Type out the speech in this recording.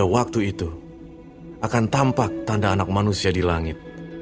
waktu itu akan tampak tanda anak manusia di langit